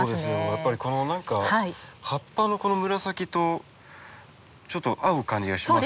やっぱり何か葉っぱのこの紫とちょっと合う感じがします。